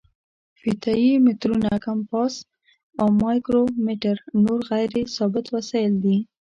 فیته یي مترونه، کمپاس او مایکرو میټر نور غیر ثابت وسایل دي.